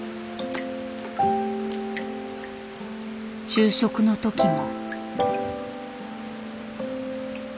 昼食の時も。